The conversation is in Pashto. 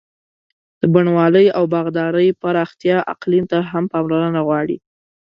د بڼوالۍ او باغدارۍ پراختیا اقلیم ته هم پاملرنه غواړي.